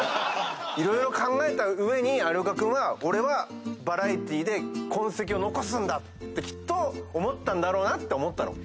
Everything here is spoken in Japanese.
色々考えた上に有岡君は「俺はバラエティーで痕跡を残すんだ」ってきっと思ったんだろうなって思ったの。